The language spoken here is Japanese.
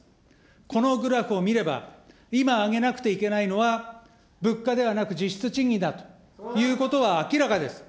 このグラフを見れば、今上げなくていけないのは物価ではなく、実質賃金だということは明らかです。